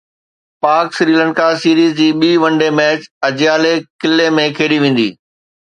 پاڪ سريلنڪا سيريز جي ٻي ون ڊي ميچ اجپالي ڪلي ۾ کيڏي ويندي